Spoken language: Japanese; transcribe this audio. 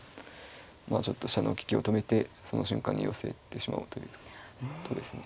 まあちょっと飛車の利きを止めてその瞬間に寄せてしまおうという手ですね。